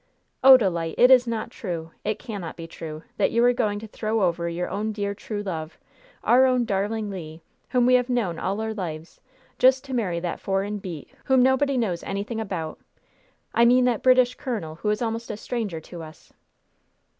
"Odalite! It is not true it cannot be true that you are going to throw over your own dear true love our own darling Le, whom we have known all our lives just to marry that foreign beat, whom nobody knows anything about I mean that British colonel, who is almost a stranger to us?"